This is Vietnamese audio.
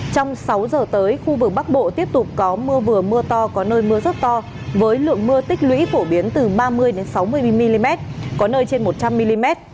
trong sáu giờ tới khu vực bắc bộ tiếp tục có mưa vừa mưa to có nơi mưa rất to với lượng mưa tích lũy phổ biến từ ba mươi sáu mươi mm có nơi trên một trăm linh mm